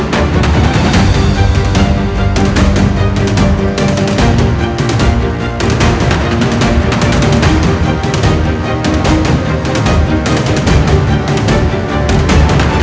โปรดติดตามตอนต่อไป